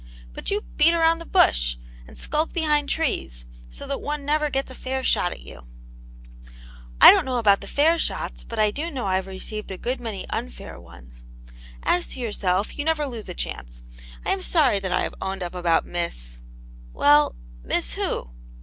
But you beat about the bush, and skulk behind trees, so that one never gets a fair shot at you/' I don't know about the fair shots,*but I do know JVe received a good many unfair ones. As to your self, you never lose a chance. I am sorry that I have owned up about Miss '* ''Well, Miss who?"